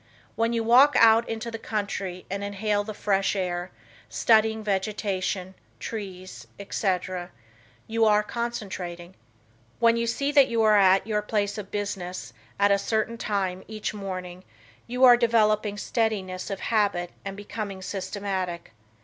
When you walk out into the country and inhale the fresh air, studying vegetation, trees, etc., you are concentrating. When you see that you are at your place of business at a certain time each morning you are developing steadiness of habit and becoming systematic.